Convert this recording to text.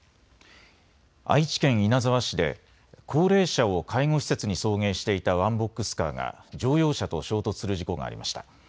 愛知県稲沢市で高齢者を介護施設に送迎していたワンボックスカーが乗用車と衝突する事故がありました。